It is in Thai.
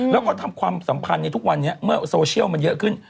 แล้วก็ทำความสัมพันธ์ในทุกวันนี้เมื่อโซเชียลมันเยอะขึ้น